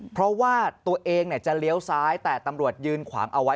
เพราะว่าตัวเองจะเลี้ยวซ้ายแต่ตำรวจยืนขวางเอาไว้